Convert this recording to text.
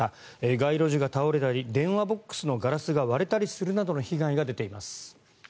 街路樹が倒れたり電話ボックスのガラスが割れたりするなどの被害が出ています。